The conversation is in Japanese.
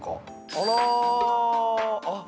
あらあっ